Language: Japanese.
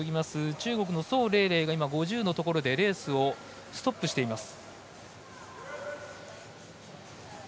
中国の宋玲玲が５０のところでレースをストップしています。